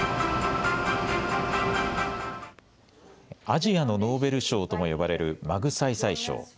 アジアのノーベル賞とも呼ばれるマグサイサイ賞。